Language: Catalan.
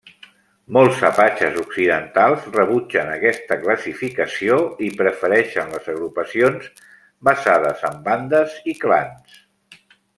Molts apatxes occidentals rebutgen aquesta classificació i prefereixen les agrupacions basades en bandes i clans.